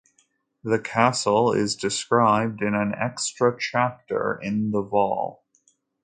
The castle is described in an extra chapter in the Vol.